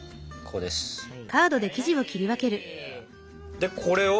でこれを？